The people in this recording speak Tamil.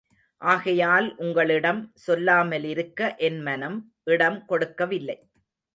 ஆகையால் உங்களிடம் சொல்லாமலிருக்க என் மனம் இடம் கொடுக்கவில்லை.